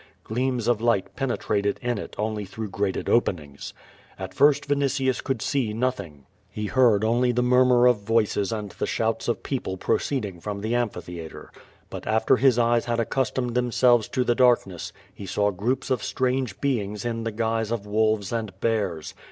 Gleams of light penetrated in it only through grated openings. At first Vinitius could 404 ^^^ VADia. see nothing. He heard only the murmur of voices and the shouts of people proceeding from the amphitheatre. But after his eyes had accustomed themselves to the darkness^ he saw groups of strange beings in the guise of wolves and bears.